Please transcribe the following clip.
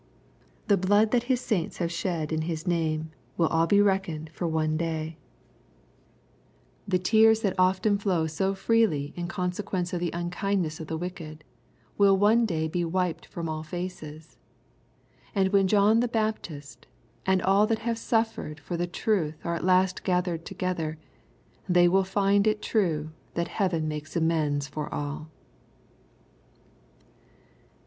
The blood that His saints have shed in His name wiU all be reckoned for one day. LUKE; CHAP. lU 99 The tears that often flow so freely in conseqaence of the nnkindness of the wicked, will one day be wiped from all faces. And when John the Baptist, and all who have suffered for the truth are at last gathered together, they will find it true that hearen makes amends for all.